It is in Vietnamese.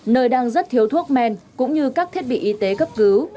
nơi đang rất thiếu thuốc men cũng như các thiết bị y tế cấp cứu